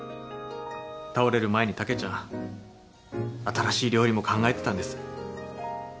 倒れる前に竹ちゃん新しい料理も考えてたんです。